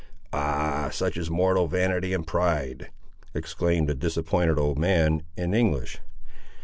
"Ah! such is mortal vanity and pride!" exclaimed the disappointed old man, in English.